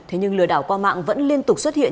thế nhưng lừa đảo qua mạng vẫn liên tục xuất hiện